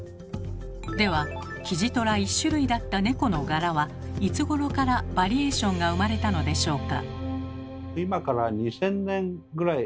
ではキジトラ１種類だった猫の柄はいつごろからバリエーションが生まれたのでしょうか。